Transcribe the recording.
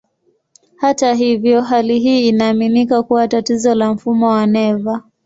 Hata hivyo, hali hii inaaminika kuwa tatizo la mfumo wa neva.